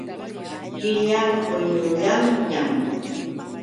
Killa puñuyanñam.